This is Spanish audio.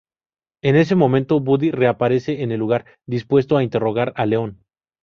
En ese momento, Buddy reaparece en el lugar, dispuesto a interrogar a Leon.